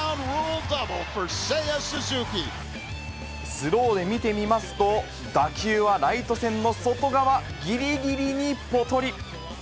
スローで見てみますと、打球はライト線の外側ぎりぎりにぽとり。